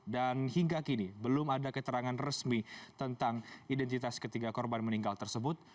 dan hingga kini belum ada keterangan resmi tentang identitas ketiga korban meninggal tersebut